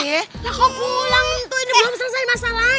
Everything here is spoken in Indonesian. ya kok pulang tuh ini belum selesai masalahnya